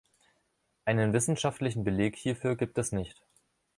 Einen wissenschaftlichen Beleg hierfür gibt es nicht.